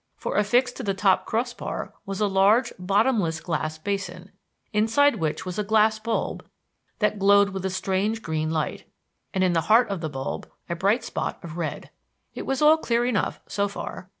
For affixed to the top cross bar was a large, bottomless glass basin, inside which was a glass bulb that glowed with a strange green light; and in the heart of the bulb a bright spot of red. It was all clear enough so far.